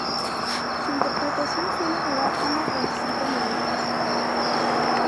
Su interpretación suele durar unos veinticinco minutos.